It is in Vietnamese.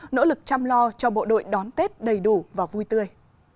nỗ lực chăm lo cho bộ đội đón tết đầy đủ và vui tươi